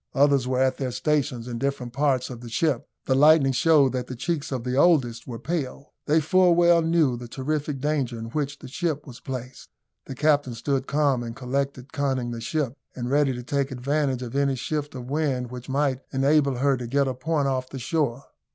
Others were at their stations in different parts of the ship. The lightning showed that the cheeks of the oldest were pale. They full well knew the terrific danger in which the ship was placed. The captain stood calm and collected, conning the ship, and ready to take advantage of any shift of wind which might enable her to get a point off the shore.